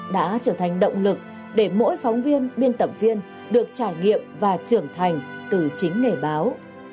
đã trở thành động lực để mỗi phóng viên biên tập viên được trải nghiệm và trưởng thành từ chính nghề báo